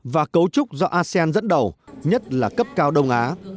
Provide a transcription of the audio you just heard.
và cấu trúc do asean dẫn đầu nhất là cấp cao đông á